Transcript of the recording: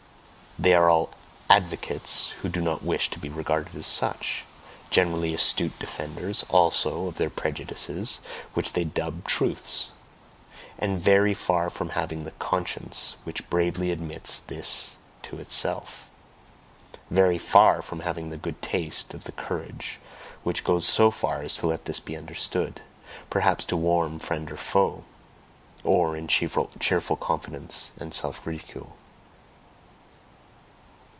They are all advocates who do not wish to be regarded as such, generally astute defenders, also, of their prejudices, which they dub "truths," and VERY far from having the conscience which bravely admits this to itself, very far from having the good taste of the courage which goes so far as to let this be understood, perhaps to warn friend or foe, or in cheerful confidence and self ridicule.